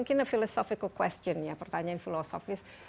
ini hanya pertanyaan filosofis